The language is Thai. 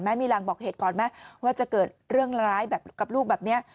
มีรางบอกเหตุก่อนไหมว่าจะเกิดเรื่องร้ายแบบกับลูกแบบนี้